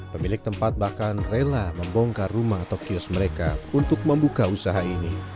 pemilik tempat bahkan rela membongkar rumah atau kios mereka untuk membuka usaha ini